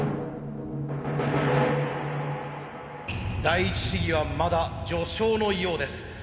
第一試技はまだ序章のようです。